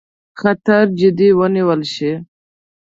خطر جدي ونیول شي.